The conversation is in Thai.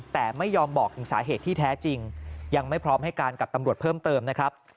แต่ไม่ยอมบอกถึงสาเหตุที่แท้จริงยังไม่พร้อมให้การกับตำรวจเพิ่มเติมนะครับ